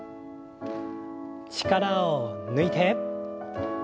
力を抜いて。